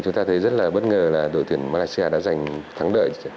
chúng ta thấy rất là bất ngờ là đội tuyển malaysia đã giành thắng đợi